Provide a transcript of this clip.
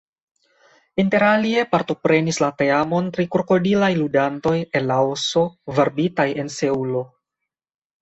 Interalie partoprenis la teamon tri krokodilaj ludantoj el Laoso, varbitaj en Seulo.